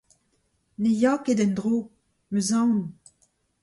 Ne ya ket endro, meus aon